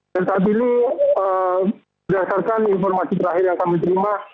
dan saat ini berdasarkan informasi terakhir yang kami terima